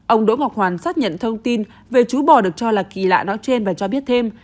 ông đỗ ngọc hoàn xác nhận thông tin về chú bò được cho là kỳ lạ nói trên và cho biết thêm